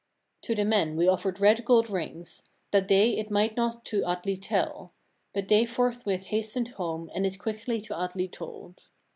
26. To the men we offered red gold rings, that they it might not to Atli tell; but they forthwith hastened home, and it quickly to Atli told.